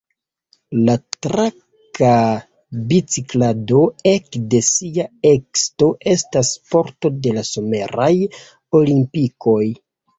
La traka biciklado ekde sia ekesto estas sporto de la Someraj Olimpikoj.